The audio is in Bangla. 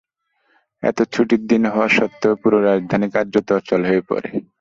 এতে ছুটির দিন হওয়া সত্ত্বেও পুরো রাজধানী কার্যত অচল হয়ে পড়ে।